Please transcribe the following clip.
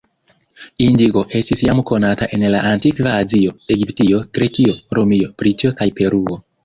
Indigo estis jam konata en la antikva Azio, Egiptio, Grekio, Romio, Britio kaj Peruo.